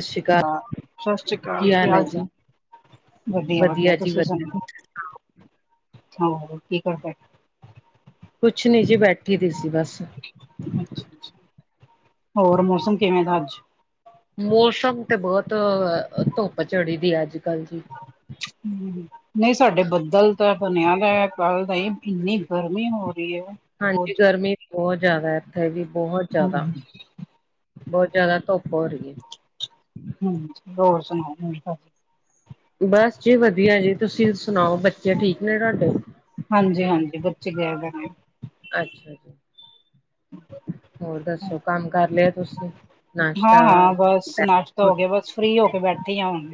ਸਤਿ ਸ਼੍ਰੀ ਅਕਾਲ ਸਤਿ ਸ੍ਰੀ ਅਕਾਲ, ਕੀ ਹਾਲ ਚਾਲ? ਵਧੀਆ-ਵਧੀਆ, ਵਧੀਆ ਜੀ ਤੁਸੀਂ ਸੁਣਾਓ! ਵਧੀਆ ਹੋਰ ਕੀ ਕਰਦੇ? ਕੁਛ ਨੀ ਜੀ, ਬੈਠੀ ਦੀ ਸੀ ਬਸ। ਅੱਛਾ ਹੋਰ, ਮੌਸਮ ਕਿਵੇਂ ਦਾ ਅੱਜ? ਮੌਸਮ ਤੇ ਬਹੁਤ ਧੁੱਪ ਚੜੀ ਦੀ ਹੈ, ਅੱਜ- ਕੱਲ, ਜੀ ਨਹੀਂ, ਸਾਡੇ ਬੱਦਲ ਤਾਂ ਬਣਿਆ ਦਾ, ਕੱਲ ਦਾ ਹੀ ਇੰਨੀ ਗਰਮੀ ਹੋ ਰਹੀ ਹੈ, ਬਹੁਤ ਹਾਂਜੀ ਜਿਆਦਾ। ਗਰਮੀ ਬਹੁਤ ਜ਼ਿਆਦਾ, ਇੱਥੇ ਵੀ ਬਹੁਤ ਜਿਆਦਾ, ਹਾਂਜੀ ਬਹੁਤ ਜਿਆਦਾ, ਧੁੱਪ ਹੋ ਰਹੀ ਹੈ। ਹਾਂਜੀ, ਹੋਰ ਸੁਣਾਓ, ਠੀਕ ਠਾਕ। ਬੱਸ ਜੀ ਵਧੀਆ ਜੀ ਤੁਸੀਂ ਸੁਣਾਓ, ਬੱਚੇ ਠੀਕ ਨੇ ਤੁਹਾਡੇ? ਹਾਂਜੀ -ਹਾਂਜੀ, ਬੱਚੇ ਗਏ ਦੇ ਨੇ। ਅੱਛਾ ਜੀ, ਹੋਰ ਦੱਸੋ, ਕੰਮ ਕਰ ਲਿਆ ਤੁਸੀਂ? ਨਾਸ਼ਤਾ ਹਾਂ- ਹਾਂ ਬਸ, ਨਾਸ਼ਤਾ ਹੋ ਗਿਆ, ਬਸ ਫ੍ਰੀ ਹੋ ਕੇ ਬੈਠੀ ਹਾਂ, ਹੁਣ।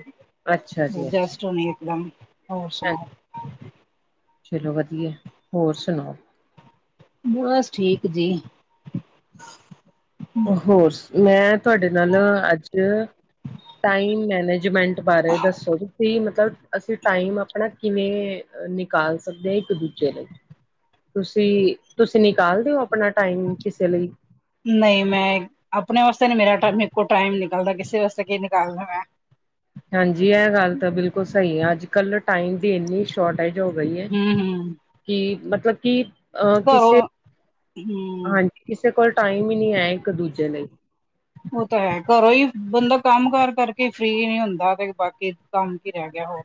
ਅੱਛਾ ਜੀ ਅੱਛਾ ਜਸਟ ਹੁਣੀ ਇੱਕ ਦਮ, ਹੋਰ ਹਾਂਜੀ ਸੁਣਾਓ? ਚਲੋ ਵਧੀਆ, ਹੋਰ ਸੁਣਾਓ? ਬਸ, ਠੀਕ ਜੀ। ਹੋਰ ਸੁਣਾਓ, ਮੈਂ ਤੁਹਾਡੇ ਨਾਲ, ਅੱਜ ਟਾਈਮ ਮੈਨੇਜਮੈਂਟ ਬਾਰੇ ਦੱਸੋ ਜੀ। ਫ੍ਰੀ ਮਤਲਬ, ਅਸੀਂ ਟਾਈਮ ਅਪਣਾ ਕਿਵੇਂ ਨਿਕਾਲ ਸਕਦੇ ਆ ਇੱਕ ਦੂਜੇ ਲਈ? ਤੁਸੀਂ, ਤੁਸੀਂ ਨਿਕਾਲ ਦੇ ਔ, ਅਪਣਾ ਟਾਈਮ ਕਿਸੇ ਲਈ? ਨਈ ਮੈਂ, ਆਪਣੇ ਵਾਸਤੇ ਨੀ ਮੇਰਾ ਟ ਮੇਰੇ ਕੋਲ ਟਾਈਮ ਨਿਕਲਦਾ, ਕਿਸੇ ਵਾਸਤੇ ਕੀ ਨਿਕਾਲਨਾ ਮੈਂ। ਹਾਂਜੀ ਏਹ ਗੱਲ ਤਾਂ ਬਿਲਕੁਲ ਸਈ ਏ, ਅੱਜ ਕੱਲ ਟਾਈਮ ਦੀ ਏਨੀ ਸ਼ੋ ਸ਼ੋਰਟੇਜ ਹੋ ਗਈ ਏ, ਹੂੰ ਹੂੰ ਕੀ? ਮਤਲਬ ਕੀ ਅਹ ਘਰੋਂ ਕਿਸੇ, ਹੂੰ ਹਾਂਜੀ, ਕਿਸੇ ਕੋਲ ਟਾਈਮ ਈ ਨਈ ਹੈ ਇੱਕ ਦੂਜੇ ਲਈ। ਔਹ ਤੇ ਹੈ, ਘਰੋਂ ਈ ਬੰਦਾ ਕੰਮ ਕਾਰ ਕਰਕੇ ਫਰੀ ਨਈ ਹੁੰਦਾ, ਤੇ ਬਾਕੀ ਕੰਮ ਕੀ ਰੇਹ ਗਿਆ ਹੋਰ?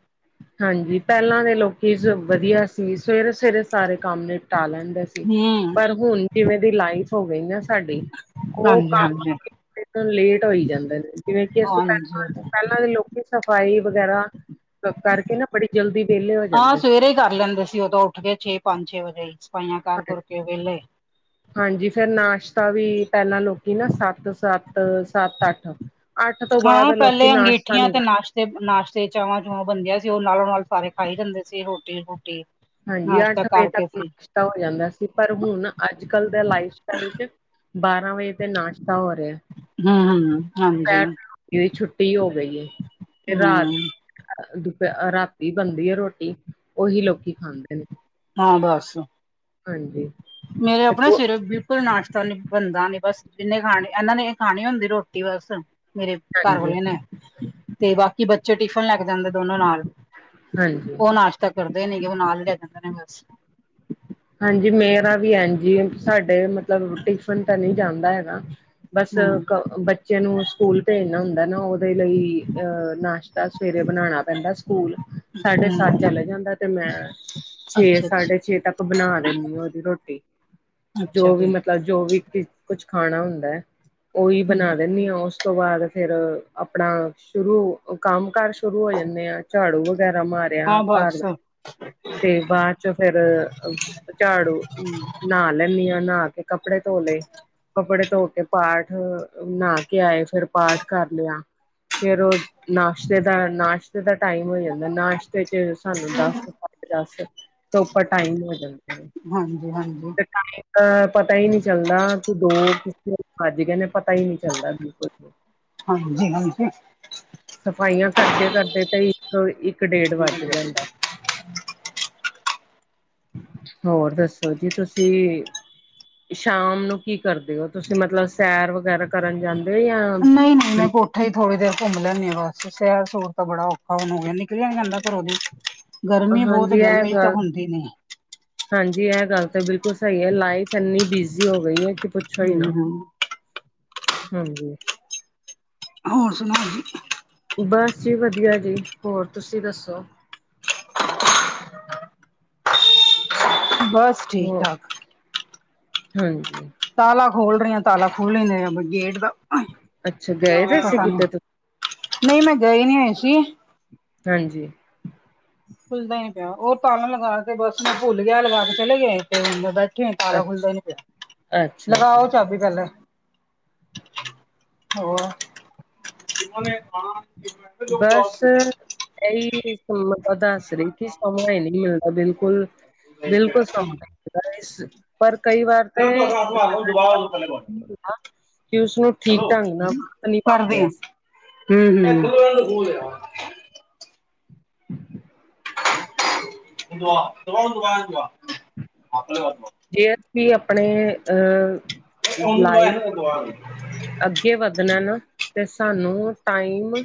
ਹਾਂਜੀ, ਪੈਲਾਂ ਦੇ ਲੋਕੀ ਵਦੀਆ ਸੀ, ਸਵੇਰੇ-ਸਵੇਰੇ ਸਾਰੇ ਕੰਮ ਨਿਪਟਾ ਲੈਂਦੇ ਸੀ, ਹੂੰ ਪਰ ਹੁਣ ਜਿਵੇਂ ਦੀ ਲਾਈਫ ਹੋ ਗਈ ਨਾ ਸਾਡੀ, ਔਹ ਹਾਂਜੀ ਕੰਮ ਹਾਂਜੀ ਲੇਟ ਹੋਈ ਜਾਂਦਾ ਨੇ, ਜਿਵੇਂ ਕਿ ਅਸੀਂ ਪੈਲਾ, ਹਾਂਜੀ ਪੈਲਾ ਦੇ ਲੋਕੀ ਸਫ਼ਾਈ ਵਗੈਰਾ ਕਰਕੇ ਨਾ, ਬੜੀ ਜਲਦੀ ਵੇਅਲੇ ਹੋ ਹਾਂ ਜਾਂਦੇ ਸਵੇਰੇ ਹੀ ਕਰ ਲੈਂਦੇ ਸੀ ਔਦੋਂ ਉੱਠ ਕੇ, ਛੇ ਪੰਜ, ਛੇ ਵਜੇ ਸਫ਼ਾਈਆਂ ਕਰ ਕੁਰ ਸੀ। ਕੇ ਵੇਅਲੇ ਹਾਂਜੀ, ਫੇਰ ਨਾਸ਼ਤਾ ਵੀ, ਪੈਲਾਂ ਲੋਕੀ ਨਾ ਸੱਤ-ਸੱਤ, ਸੱਤ, ਅੱਠ ਆਠ ਤੋਂ ਬਾਦ, ਹਾਂ ਲੋਕੀ ਪਹਿਲੇ ਨਾਸ਼ਤਾ ਅੰਗੀਠੀਆਂ ਨੀ ਕਰ ਤੇ ਨਾਸ਼ਤੇ ਨਾਸ਼ਤੇ ਚਾਵਾ ਚੁਵਾ ਬਣਦੀਆਂ ਸੀ, ਔਹ ਨਾਲੋਂ ਨਾਲ ਸਾਰੇ ਖਾਏ ਜਾਂਦੇ ਸੀ ਰੋਟੀ, ਰੂਟੀ। ਹਾਂਜੀ, ਨਾਸ਼ਤਾ ਅੱਠ ਵੱਜੇ ਕਰਕੇ ਤੱਕ ਫ੍ਰੀ ਨਾਸ਼ਤਾ ਹੋ ਜਾਂਦਾ ਸੀ, ਪਰ ਹੁਣ ਅੱਜ ਕੱਲ ਦੇ ਲਾਈਫ ਸਟਾਈਲ ਚ ਬਾਰਾਂ ਵੱਏ ਤੇ ਨਾਸ਼ਤਾ ਹੋ ਰੇਆ। ਹੂੰ-ਹੂੰ। ਪੈਰ, ਰੋਟੀਓ ਛੁੱਟੀ ਈ ਹੋ ਗਈ ਏ। ਤੇ ਰਾਤ ਹੂੰ ਦੁਪ ਅਹ ਰਾਤੀ ਬਣਦੀ ਏ ਰੋਟੀ, ਔਹੀ ਲੋਕੀ ਖਾਂਦੇ ਨੇ। ਹਾਂ ਬੱਸ। ਹਾਂਜੀ। ਮੇਰੇ ਤੇ ਅਪਣੇ ਸਿਰ ਪਰ ਨਾਸ਼ਤਾ ਨੀ, ਬਣਦਾ ਨੀ ਬਸ, ਜਿਨੇ ਖਾਣੀ, ਏਹਨਾਂ ਨੇ ਏਹ ਖਾਣੀ ਹੁੰਦੀ ਰੋਟੀ ਬਸ। ਮੇਰੇ ਘਰ ਹਾਂਜੀ ਵਾਲੇ ਨੇ, ਤੇ ਬਾਕੀ ਬੱਚ ਚ ਟਿਫਨ ਲੈ ਕੇ ਜਾਂਦੇ ਦੋਨੋ ਨਾਲ। ਹਾਂਜੀ। ਔਹ ਨਾਸ਼ਤਾ ਕਰਦੇ ਨੀ ਗੇ, ਔਹ ਨਾਲ ਲੈ ਜਾਂਦੇ ਨੇ ਬਸ। ਹਾਂਜੀ ਮੇਰਾ ਵੀ ਐਂਜ ਈ ਏ, ਸਾਡੇ ਮਤਲਬ ਟਿਫਨ ਤਾਂ ਨਈ ਜਾਂਦਾ ਹੈਗਾ। ਬਸ ਹੂੰ ਕ ਬ ਬੱਚੇ ਨੂੰ ਸਕੂਲ ਪੇਜਣਾ ਹੁੰਦਾ ਨਾ, ਔਦੇ ਲਈ ਅਹ ਨਾਸ਼ਤਾ ਸਵੇਰੇ ਬਣਾਣਾ ਪੈਂਦਾ ਸਕੂਲ ਸਾਢੇ ਸੱਤ ਹੂੰ ਚਲੇ ਜਾਂਦਾ ਤੇ ਮੈਂ, ਛੇ ਅੱਛਾ ਅੱਛਾ ਸਾਢੇ ਛੇ ਤੱਕ ਬਣਾ ਦੇਣੀ ਆ, ਔਦੀ ਰੋਟੀ, ਅੱਛਾ ਜੋ ਵੀ ਜੀ ਮਤਲਬ ਮਤਲਬ ਜੋ ਵੀ ਕੀ, ਕੁਛ ਖਾਣਾ ਹੁੰਦਾ ਏ, ਔਹੀ ਬਣਾ ਦੇਣੀ ਆ ਔਸ ਉਸ ਤੋਂ ਬਾਅਦ ਫੇਰ, ਆਪਣਾ ਸ਼ੁਰੂ, ਕੰਮ ਕਾਰ ਸ਼ੁਰੂ ਹੋ ਜਾਂਣੇ ਆ, ਚਾੜੂ ਵਗੈਰਾ ਮਾਰ ਦੇਆ ਹਾਂ ਕੱਲ, ਬਸ ਤੇ ਬਾਅਦ ਚੋਂ ਫੇਰ ਅ ਚਾੜੂ, ਨਾ ਲੈਣੀ ਆ, ਨਾ ਕੇ ਕੱਪੜੇ ਤੋ ਲਏ। ਕੱਪੜੇ ਤੋ ਕੇ ਪਾਠ, ਨਾ ਕੇ ਆਏ, ਫੇਰ ਪਾਠ ਕਰ ਲੇਆ। ਫੇਰ ਉਹ ਨਾਸ਼ਤੇ ਦਾ, ਨਾਸ਼ਤੇ ਦਾ ਟਾਈਮ ਹੋ ਜਾਂਦਾ ਏ, ਨਾਸ਼ਤੇ ਚ ਸਾਨੂੰ ਦਸ, ਅੱਠ, ਦਸ ਤੋਂ ਉੱਪਰ ਟਾਈਮ ਹੋ ਜਾਂ ਹਾਂਜੀ ਹਾਂਜੀ ਤੇ ਤਾਈ ਅਹ ਪਤਾ ਈ ਨਈ ਚੱਲਦਾ, ਕਿ ਦੋ ਕਿਸ ਵੇਲੇ ਵੱਜ ਗਏ ਨੇ, ਪਤਾ ਈ ਨਈ ਚੱਲਦਾ ਬਿਲਕੁਲ। ਵੀ। ਹਾਂਜੀ-ਹਾਂਜੀ। ਸਫ਼ਾਈਆਂ ਕਰਦੇ-ਕਰਦੇ ਤੇ ਇੱਕ, ਇੱਕ ਡੇਢ ਵੱਜ ਜਾਂਦਾ ਏ। ਹੋਰ ਦੱਸੋ ਜੀ ਤੁਸੀਂ? ਸ਼ਾਮ ਨੂੰ ਕੀ ਕਰਦੇ ਔ ਤੁਸੀਂ? ਮਤਲਬ ਸੈਰ ਵਗੈਰਾ ਕਰਨ ਜਾਂ ਹੋ ਨਈ-ਨਈ ਮੈਂ ਬਿਲ ਬੋ ਈਥੇ ਈ ਥੋੜੀ ਦੇਰ ਘੁੰਮ ਲੈਂਣੀ ਆ ਬੱਸ, ਸੈਰ ਸੂਰ ਤਾਂ ਬੜਾ ਔਖਾ ਹੁਣ ਹੋ ਗਿਆ, ਨਿਕਲਿਆ ਨਈ ਜਾਂਦਾ ਘਰੋਂ ਦੀ। ਗਰਮੀ ਬੋਤ ਏ, ਹਾਂਜੀ ਇਹ ਗਰਮੀ ਈ ਤਾਂ ਗੱਲ ਹੁੰਦੀ ਨੀ। ਹਾਂਜੀ ਏਹ ਗੱਲ ਤੇ ਬਿਲਕੁਲ ਸਈ ਏ, ਲਾਈਫ ਐੰਨੀ ਬਿਜ਼ੀ ਹੋ ਗਈ ਹੈ ਕਿ ਪੁੱਛੋ ਹੀ ਹੂੰ ਨਾ। ਹੂੰ ਹਾਂਜੀ। ਹੋਰ ਸੁਣਾਓ ਜੀ। ਬਸ ਜੀ ਵਧੀਆ ਜੀ, ਹੋਰ ਤੁਸੀਂ ਦੱਸੋ। ਬਸ ਹੋ ਠੀਕ ਠਾਕ ਹਾਂਜੀ। ਤਾਲਾ ਖੋਲ ਰਹੀ ਆਂ, ਤਾਲਾ ਖੋਲ ਨੀ [unintelligible] ਗੇਟ ਦਾ, ਅੱਛਾ ਗਏ ਦੇ ਸੀ ਪਤਾ ਨੀ ਕਿਤੇ ਤੁਸੀਂ ਨਹੀਂ ਮੈਂ ਗਈ ਨੀ ਹੋਈ ਸੀ। ਹਾਂਜੀ। ਖੁਲਦਾ ਨੀ ਪਿਆ, ਉਹ ਤਾਲਾ ਲਗਾ ਕੇ ਬਸ ਮੈਂ ਭੁੱਲ ਗਿਆ ਐ ਲਗਾ ਕੇ ਚਲੇ ਗੇ ਤੇ ਹੁਨ ਤਾਲਾ ਖੁੱਲਦਾ ਹੀ ਨੀ ਅੱਛਾ ਪਿਆ, ਅੱਛਾ ਲਗਾਓ ਜੀ ਚਾਬੀ ਪਹਲੇ ਹੋਰ ਬਸ ਏਹੀ [unintelligible] ਦੱਸ ਰਈ ਥੀ ਸਮਾਂ ਹੀ ਨਹੀਂ ਮਿਲਦਾ ਬਿਲਕੁਲ ਬਿਲਕੁਲ [unintelligible] ਇਸ ਪਰ ਕਈ ਵਾਰ ਤੇ [unintelligible] ਕਿ ਉਸਨੂੰ ਠੀਕ ਢੰਗ ਨਾਲ ਵਰਤ ਨੀ ਪਾਂਦੇ। ਹੂੰ-ਹੂੰ। [unintelligible] ਜੇ ਅਸੀ ਆਪਣੇ ਅਹ ਲਾਈਫ [unintelligible] ਅੱਗੇ ਵੱਧਣਾ ਨਾ ਤੇ ਸਾਨੂੰ ਟਾਈਮ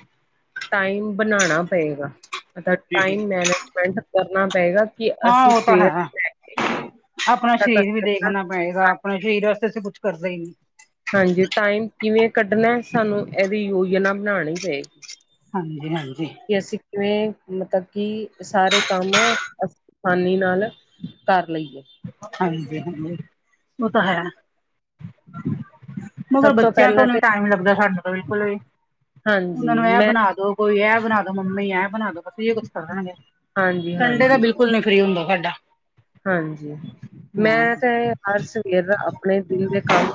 ਟਾਈਮ ਬਣਾਣਾ ਪਏਗਾ। ਮਤਲਬ ਦੇ। ਟਾਈਮ ਮੈਨੇਜਮੈਂਟ ਕਰਨਾ ਪਏਗਾ ਕਿ ਹਾਂ ਅਸੀਂ ਉਹ ਤਾਂ ਸਵੇਰ ਹੈ ਤੋ ਲੈ ਕੇ ਆਪਣਾ ਸਰੀਰ ਵੀ ਦੇਖਣਾ ਪਏਗਾ, ਆਪਣਾ ਸਰੀਰ ਵਾਸਤੇ ਅਸੀ ਕੁਛ ਕਰਦੇ ਈ ਨਹੀਂ। ਹਾਂਜੀ ਟਾਈਮ ਕਿਵੇਂ ਕੱਢਣਾ ਐ, ਸਾਨੂੰ ਇਹ ਦੀ ਯੋਜਨਾ ਬਣਾਣੀ ਪਏਗੀ। ਹਾਂਜੀ, ਹਾਂਜੀ। ਕਿ ਅਸੀਂ ਕਿਵੇਂ ਮਤਲਬ ਕਿ ਸਾਰੇ ਕੰਮ ਅ ਆਸਾਨੀ ਨਾਲ ਕਰ ਲਈਏ। ਹਾਂਜੀ-ਹਾਂਜੀ, ਓ ਤਾਂ ਹੈ। ਮਗਰ ਸਭ ਬੱਚਿਆਂ ਤੋਂ ਪਹਿਲਾਂ ਤੇ ਨੀ ਟਾਈਮ ਲੱਗਦਾ ਸਾਡੇ ਤੋਂ ਬਿਲਕੁਲ ਵੀ ਉਹਨਾਂ ਹਾਂਜੀ ਨੂੰ ਇਹ ਮੈਂ ਬਣਾ ਦੋ ਕੋਈ ਇਹ ਬਣਾ ਦੋ ਮੰਮੀ, ਇਹ ਬਣਾ ਦੋ ਬਸ ਇਹ ਕੁੱਛ ਕਰਦੇ ਰਹਿੰਦੇ, ਹਾਂਜੀ ਸੰਡੇ ਦਾ ਹਾਂਜੀ ਬਿਲ ਕੂਲ ਨੀ ਫਰੀ ਹੁੰਦਾ ਸਾਡਾ। ਹਾਂਜੀ। ਹਾਂ ਮੈਂ ਤੇ ਹਰ ਸਵੇਰ ਆਪਣੇ ਦਿਨ ਦੇ ਕੰਮ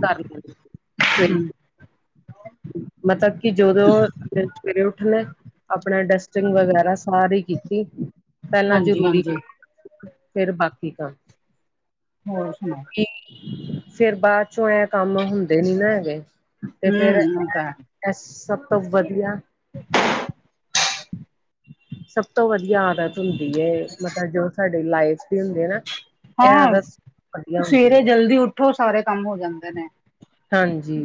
ਕਰ ਲੈਂਦੀ। ਹੂੰ। ਮਤਲਬ ਕਿ ਜਦੋਂ ਸਵੇਰੇ ਉੱਠਨਾ ਐ ਆਪਣਾ ਡਸਟਿੰਗ ਵਗੈਰਾ ਸਾਰੀ ਕੀਤੀ, ਪਹਿਲਾਂ ਹਾਂਜੀ ਜ਼ਰੂਰੀ ਹਾਂਜੀ ਫੇਰ ਬਾਕੀ ਕੰਮ ਹੋਰ ਸੁਨਾਓ। ਫੇਰ ਬਾਅਦ ਚੋਂ ਇਹਂ ਕੰਮ ਹੁੰਦੇ ਨੀ ਨਾ ਹੈਗੇ। ਹੂੰ, ਉਹ ਤਾਂ ਐ ਸਭ ਤੋਂ ਵਧੀਆ ਸਭ ਤੋਂ ਵਧੀਆ ਆਦਤ ਹੁੰਦੀ ਏ, ਮਤਲਬ ਜੋ ਸਾਡੀ ਲਾਈਫ ਦੀ ਹੁੰਦੀ ਐ ਨਾ। ਇਹ ਹਾਂ, ਆਦਤ ਵਧੀਆ ਹੁੰਦੀ ਸਵੇਰੇ ਹੈ ਜਲਦੀ ਉੱਠੋ ਸਾਰੇ ਕੰਮ ਹੋ ਜਾਂਦੇ ਨੇ ਹਾਂਜੀ,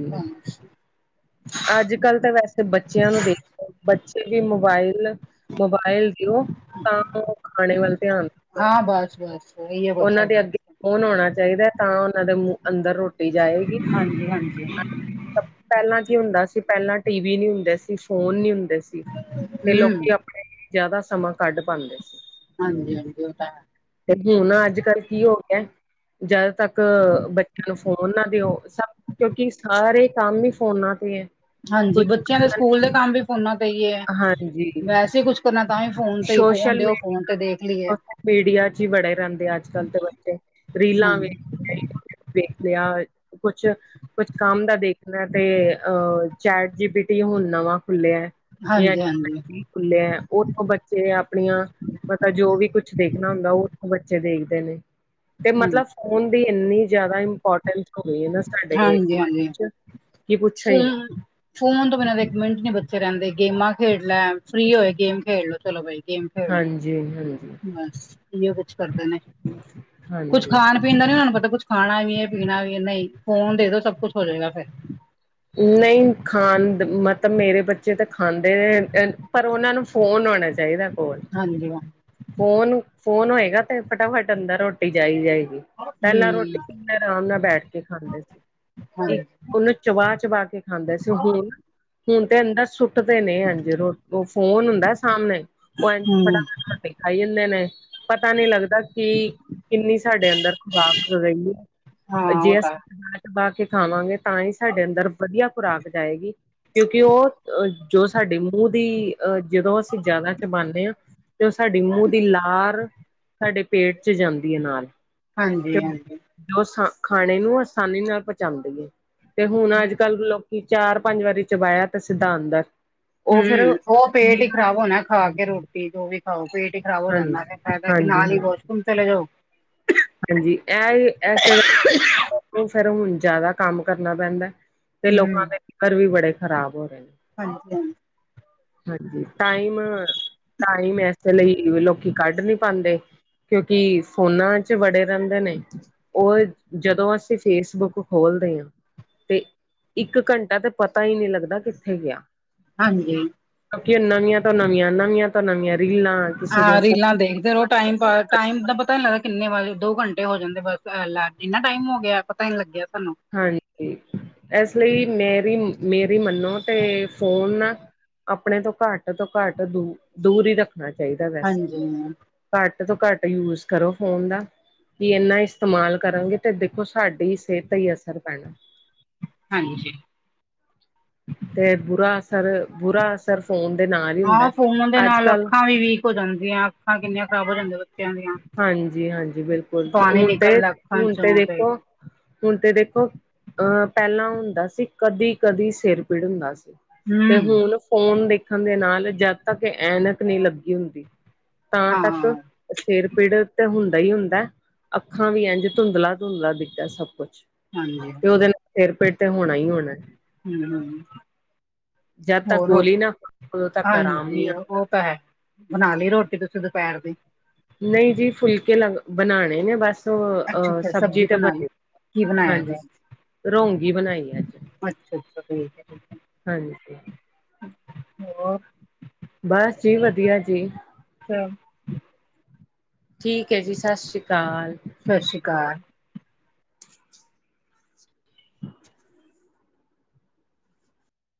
ਅੱਜ-ਕੱਲ੍ਹ ਤਾਂ ਵੈਸੇ ਬੱਚਿਆਂ ਨੂੰ ਦੇਖ ਬੱਚੇ ਵੀ ਮੋਬਾਇਲ, ਮੋਬਾਇਲ ਦਿਓ ਤਾਂ ਓ ਖਾਣੇ ਵੱਲ ਧਿਆਨ ਦਿੰਦੇ ਆ ਹਾਂ ਬੱਸ-ਬੱਸ। ਉਹਨਾਂ ਦੇ ਅੱਗੇ ਫੋਨ ਹੋਣਾ ਚਾਹੀਦਾ ਐ ਤਾਂ ਉਹਨਾਂ ਦੇ ਮੂੰਹ ਅੰਦਰ ਰੋਟੀ ਰੋਟੀ ਜਾਏਗੀ, ਹਾਂਜੀ ਹਾਂਜੀ ਪਹਿਲਾਂ ਕੀ ਹੁੰਦਾ ਸੀ? ਪਹਿਲਾਂ ਟੀਵੀ ਨੀ ਹੁੰਦੇ ਸੀ। ਫੋਨ ਨੀ ਹੁੰਦੇ ਸੀ ਤੇ ਹਮ ਲੋਕੀ ਆਪਣੇ ਜਾਦਾ ਸਮਾਂ ਕੱਢ ਪਾਂਦੇ ਸੀ। ਹਾਂਜੀ, ਹਾਂਜੀ ਉਹ ਤਾਂ ਹੈ। ਹੁਨ ਅੱਜ-ਕੱਲ੍ਹ ਕੀ ਹੋ ਗਿਆ? ਜਦ ਤੱਕ ਬੱਚਿਆਂ ਉਹਨਾਂ ਦੇ ਉਹ ਫੋਨ ਨਾ ਦਿਓ ਸਭ ਕਿਉਂਕਿ ਸਾਰੇ ਕੰਮ ਹੀ ਫੋਨਾਂ ਤੇ ਹੈ। ਹਾਂਜੀ ਕੁਛ ਬੱਚਿਆਂ ਦੇ ਨੇ ਸਕੂਲ ਦੇ ਕੰਮ ਵੀ ਫੋਨਾਂ ਤੇ ਹੀ ਹੈ ਹਾਂਜੀ ਵੈਸੇ ਕੁਛ ਨਾ ਤਾਂ ਵੀ ਫੋਨ ਤੇ ਹੀ ਫੋਨ ਸੋਸ਼ਲ ਦਿਓ ਫੋਨ ਤੇ ਮੀਡੀਆ ਦੇਖ ਲਈਏ ਸੋਸ਼ਲ ਮੀਡੀਆ ਚ ਹੀ ਬੜੇ ਰਹਿੰਦੇ ਆ ਅੱਜ ਕੱਲ੍ਹ ਦੇ ਬੱਚੇ ਰੀਲਾਂ ਹਾਂਜੀ ਵੀ ਵੇਖ ਲਿਆ ਕੁਛ ਕੁਛ ਕੰਮ ਦਾ ਦੇਖਣਾ ਤੇ ਅਹ ਚੈਟ ਜੀਬੀ ਟੀ ਹੁਨ ਨਵਾਂ ਖੁੱਲਿਆ ਐ। [unintelligible] ਐ ਹਾਂਜੀ ਹਾਂਜੀ ਖੁੱਲਿਆ ਉਹ ਬ ਜ ਆਪਣੀਆਂ ਮਤਾ ਜੋ ਵੀ ਕੁਛ ਦੇਖਣਾ ਹੁੰਦਾ ਉਹ ਬੱਚੇ ਦੇਖਦੇ ਨੇ ਤੇ ਹਾਂਜੀ ਮਤਲਬ ਫੋਨ ਦੀ ਇਨੀ ਜ਼ਿਆਦਾ ਇੰਪੋਰਟੈਂਸ ਹੋ ਗਈ ਨਾ ਸਾਡੇ ਕੀ ਪੁੱਛੋ ਹੂੰ ਹੀ ਨਾ [unintelligible] ਫੋਨ ਤੋਂ ਬਿਨਾਂ ਤਾਂ ਇਕ ਮਿੰਟ ਨੀ ਬੱਚੇ ਰਹਿੰਦੇ ਗੇਮਾਂ ਖੇਡ ਲੈ ਫ੍ਰਰੀ ਹੋਏ ਗੇਮ ਖੇਡ ਲੋ ਚਲੋ ਬਾਈ ਗੇਮ ਹਾਂਜੀ ਹਾਂਜੀ ਬਸ ਇਹ ਕੁਛ ਕਰਦੇ ਨੇ ਕੁੱਛ ਹਾਂਜੀ ਖਾਣ ਪੀਂਦਾ ਨੀ ਉਹਨਾਂ ਨੂੰ ਪਤਾ ਕੁੱਛ ਖਾਣਾ ਵੀ ਹੈ ਪੀਣਾ ਵੀ ਨਹੀਂ ਫੋਨ ਦੇ ਦੋ ਸਭ ਕੁੱਛ ਹੋ ਜਾਏਗਾ ਫ਼ਿਰ ਨਹੀਂ ਖਾਣ ਮਤਲਬ ਮੇਰੇ ਬੱਚੇ ਤਾਂ ਖਾਂਦੇ ਨੇ ਪਰ ਉਹਨਾਂ ਨੂੰ ਫੋਨ ਹੋਉਣਾ ਚਾਹੀਦਾ ਕੋਲ ਹਾਂਜੀ। ਫੋਨ, ਫੋਨ ਹੋਏਗਾ ਤੇ ਫਟਾਫਟ ਅੰਦਰ ਰੋਟੀ ਚਾਹੀ ਜਾਏਗੀ। ਪਹਿਲਾਂ ਹੂੰ ਰੋਟੀ ਆਰਾਮ ਨਾਲ ਬੈਠ ਕੇ ਖਾਂਦੇ ਸੀ ਹਾਂਜੀ ਇੱਕ ਉਹਨੂੰ ਚਬਾ, ਚਬਾ ਕੇ ਖਾਂਦਾ ਸੀ ਹੁਣ, ਹੁਣ ਤੇ ਅੰਦਰ ਸੁੱਟਦੇ ਨੇ ਹਾਜੀ ਰੋਟੀ ਉਹ ਫੋਨ ਹੁੰਦਾ ਸਾਹਮਣੇ ਉਹ ਐ ਹੂੰ ਫਟਾਫਟ ਰੋਟੀ ਖਾਈ ਜਾਂਦੇ ਨੇ ਪਤਾ ਨਹੀਂ ਲੱਗਦਾ ਕੀ ਕਿੰਨੀ ਸਾਡੇ ਅੰਦਰ ਖੁਰਾਕ ਹੋ ਗਈ ਹੈ ਹਾਂ ਉਹ ਜੇ ਤਾਂ ਅਸੀਂ ਖਾਣਾ ਪਾ ਕੇ। ਖਾਵਾਂਗੇ ਤਾਂ ਹੀ ਸਾਡੇ ਅੰਦਰ ਵਧੀਆ ਖੁਰਾਕ ਜਾਏਗੀ ਕਿਉਂਕਿ ਉਹ ਅ ਜੋ ਸਾਡੇ ਮੂੰਹ ਦੀ ਜਦੋਂ ਅਸੀਂ ਜ਼ਿਆਦਾ ਚਬਾਉਂਦੇ ਹਾਂ ਤੇ ਉਹ ਸਾਡੀ ਮੂੰਹ ਦੀ ਲਾਰ ਸਾਡੇ ਪੇਟ ਚ ਜਾਂਦੀ ਹੈ ਨਾਲ ਤੇ ਹਾਂਜੀ ਹਾਂਜੀ ਜੋ ਸਾਡੇ ਖਾਣੇ ਨੂੰ ਆਸਾਨੀ ਨਾਲ ਪਹੁੰਚਾਉਂਦੀ ਏ ਤੇ ਹੁਣ ਅੱਜ ਕੱਲ੍ਹ ਲੋਕ ਕਿ ਚਾਰ ਪੰਜ ਵਾਰੀ ਚਬਾਇਆ ਤੇ ਸਿੱਧਾ ਅੰਦਰ ਉਹ ਫੇਰ ਹਮ ਉਹ ਪੇਟ ਹੀ ਖ਼ਰਾਬ ਹਾਂਜੀ ਹੋਣਾ ਖਾ ਕੇ ਰੋਟੀ ਜੋ ਵੀ ਖਾਓ ਪੇਟ ਹੀ ਖਰਾਬ ਹੋ ਜਾਂਦਾ ਫਾਇਦਾ ਕਿ ਹਾਂਜੀ ਨਾਲ ਹੀ ਹਾਂ ਵਾਸ਼ਰੂਮ ਚਲੇ ਜਾਓ ਹਾਂਜੀ ਐ ਐਸੇ ਅ ਫੇਰ ਹੁਣ ਜਿਆਦਾ ਕੰਮ ਕਰਨਾ ਪੈਂਦਾ ਤੇ ਹੂੰ ਲੋਕਾਂ ਦੇ ਫਿਗਰ ਵੀ ਬੜੇ ਖ਼ਰਾਬ ਹੋ ਰਹੇ ਨੇ ਹਾਂਜੀ ਹਾਂਜੀ ਹਾਂਜੀ ਟਾਈਮ ਟਾਈਮ ਇਸੇ ਲਈ ਲੋਕੀ ਕੱਢ ਨੀ ਪਾਉਂਦੇ ਕਿਉਂਕਿ ਫੋਨਾ ਚ ਵੜੇ ਰਹਿੰਦੇ ਨੇ ਉਹ ਜਦੋਂ ਅਸੀਂ ਫੇਸਬੁੱਕ ਖੋਲਦੇ ਹਾਂ। ਤੇ ਇੱਕ ਘੰਟਾ ਤੇ ਪਤਾ ਹੀ ਨਹੀਂੀ ਲੱਗਦਾ ਕਿੱਥੇ ਗਿਆ ਹਾਂਜੀ ਕ ਨਵੀਆਂ ਤੋਂ ਨਵੀਆਂ ਨਵੀਆਂ ਤੋਂ ਨਵੀਆਂ ਰੀਲਾ ਹਾਂ ਰੀਲਾਂ ਦੇਖਦੇ ਰਹੋ ਟਾਈਮ ਪਾਸ ਟਾਈਮ ਦਾ ਪਤਾ ਨੀ ਲੱਗਦਾ ਕਿੰਨੇ ਵਜੇ ਦੋ ਘੰਟੇ ਹੋ ਜਾਂਦੇ ਬਸ ਇੰਨਾ ਟਾਈਮ ਹੋ ਗਿਆ ਪਤਾ ਹੀ ਨੀ ਲੱਗਿਆ ਸਾਨੂੰ ਹਾਂਜੀ ਇਸ ਲਈ ਮੇਰੀ ਮੇਰੀ ਮੰਨੋ ਤੇ ਫੋਨ ਆਪਣੇ ਤੋਂ ਘੱਟ ਤੋਂ ਘੱਟ ਦ ਦੂਰ ਹੀ ਰੱਖਣਾ ਚਾਹੀਦਾ ਵੈਸੇ ਹਾਂਜੀ ਘੱਟ ਤੋਂ ਘੱਟ ਯੂਜ ਕਰੋ ਫੋਨ ਦਾ ਵੀ ਇਹਨਾ ਇਸਤੇਮਾਲ ਕਰਾਂਗੇ ਤੇ ਦੇਖੋ ਸਾਡੀ ਸਿਹਤ ਦਾ ਹੀ ਅਸਰ ਪੈਣਾ ਹਾਂਜੀ ਤੇ ਬੁਰਾ ਅਸਰ ਬੁਰਾ ਅਸਰ ਫੋਨ ਦੇ ਨਾਲ ਹੀ ਹੁੰਦਾ ਹਾਂ ਫੋਨ ਦੇ ਅੱਜ ਨਾਲ ਕੱਲ ਅੱਖਾਂ ਵੀ ਵੀਕ ਹੋ ਜਾਂਦੀਆਂ ਅੱਖਾਂ ਕਿੰਨੀਆਂ ਖ਼ਰਾਬ ਹੋ ਜਾਂਦੀਆਂ ਬੱਚਿਆਂ ਦੀਆਂ ਹਾਂਜੀ ਹਾਂਜੀ ਬਿਲਕੁਲ ਪਾਣੀ ਹੁਣ ਤੇ ਨਿਕਲਦਾ ਅੱਖਾਂ ਹੁਣ ਤੇ ਚੋਂ ਦੇਖੋ ਹੁਣ ਤੇ ਦੇਖੋ ਅਹ ਪਹਿਲਾਂ ਹੁੰਦਾ ਸੀ ਕਦੀ ਕਦੀ ਸਿਰ ਪੀੜ ਹੁੰਦਾ ਸੀ ਤੇ ਹੂੰ ਹੁਣ ਫੋਨ ਦੇਖਣ ਦੇ ਨਾਲ ਜਦ ਤੱਕ ਐਨਕ ਨਹੀਂ ਲੱਗੀ ਹੁੰਦੀ ਤਾਂ ਹਾਂ ਤੱਕ ਸਿਰ ਪੀੜ ਤੇ ਹੁੰਦਾ ਹੀ ਹੁੰਦਾ ਅੱਖਾਂ ਵੀ ਇਝ ਧੁੰਦਲਾ ਧੁੰਦਲਾ ਦਿਖਦਾ ਸਭ ਕੁੱਛ ਹਾਂਜੀ ਉਹ ਦਿਨ ਸਿਰ ਪੇਟ ਤੇ ਹੋਣਾ ਹੀ ਹੋਣਾ ਹੂ ਹੂ,,, ਜਦ ਤੱਕ ਹੋਰ ਗੋਲੀ ਨਾ ਖਾਓ ਉਦੋਂ ਤੱਕ ਆਰਾਮ ਨੀ ਹਾਂਜੀ ਆਣਾ। ਉਹ ਤਾਂ ਹੈ ਬਣਾ ਲਈ ਰੋਟੀ ਤੁਸੀਂ ਦੁਪਹਿਰ ਦੀ ਨਹੀਂ ਜੀ ਫੁਲਕੇ ਲ ਬਣਾਉਣੇ ਨੇ ਬਸ ਅੱਛਾ ਅੱਛਾ ਸਬਜ਼ੀ ਤੇ ਬਣਾ ਲਈ ਬਣੀ ਕੀ ਬਣਾਇਆ ਹਾਂਜੀ ਗਿਆ ਰੋਂਗੀ ਬਣਾਈ ਆ ਅੱਜ ਅੱਛਾ ਅੱਛਾ ਠੀਕ ਹੈ ਠੀਕ ਹੈ ਹਾਂਜੀ ਹੋਰ ਬਸ ਜੀ ਵਧੀਆ ਜੀ [unintelligible] ਠੀਕ ਹੈ ਜੀ ਸਤਿ ਸ਼੍ਰੀ ਅਕਾਲ ਸਤਿ ਸ਼੍ਰੀ ਅਕਾਲ [inaudible]